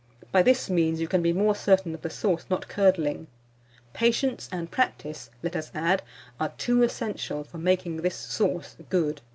By this means, you can be more certain of the sauce not curdling. Patience and practice, let us add, are two essentials for making this sauce good.